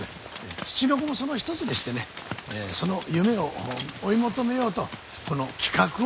ツチノコもその一つでしてねその夢を追い求めようとこの企画を思いつきました私が。